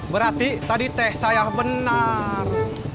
berarti tadi teh saya benar